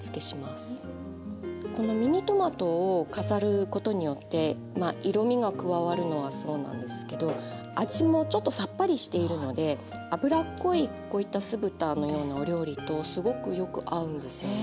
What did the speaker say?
このミニトマトを飾ることによってまあ色みが加わるのはそうなんですけど味もちょっとさっぱりしているので脂っこいこういった酢豚のようなお料理とすごくよく合うんですよね。